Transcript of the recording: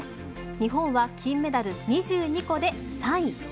日本は金メダル２２個で３位。